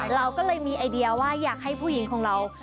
เราก็เลยมีไอเดียว่าอยากให้ผู้หญิงของเรา